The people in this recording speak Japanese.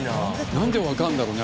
なんでわかるんだろうね？